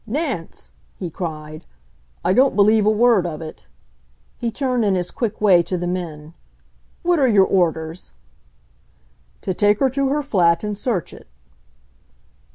"Nance!" he cried. "I don't believe a word of it." He turned in his quick way to the men. "What are your orders?" "To take her to her flat and search it."